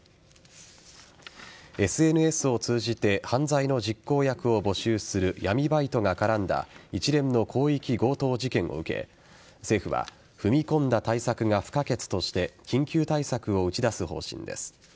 ＳＮＳを通じて犯罪の実行役を募集する闇バイトが絡んだ一連の広域強盗事件を受け政府は踏み込んだ対策が不可欠として緊急対策を打ち出す方針です。